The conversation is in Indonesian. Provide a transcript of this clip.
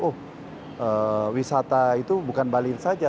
oh wisata itu bukan bali saja